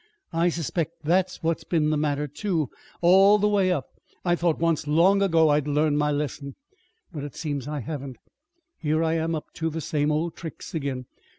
I suspect that's what's been the matter, too, all the way up. I thought once, long ago, I'd learned my lesson. But it seems I haven't. Here I am up to the same old tricks again.